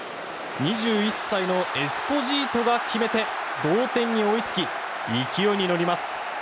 ２１歳のエスポジートが決めて同点に追いつき勢いに乗ります。